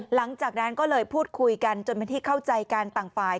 หลังจากนั้นก็เลยพูดคุยกันจนเป็นที่เข้าใจกันต่างฝ่าย